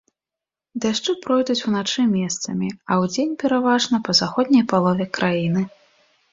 Дажджы пройдуць уначы месцамі, а удзень пераважна па заходняй палове краіны.